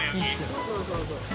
そうそうそうそう。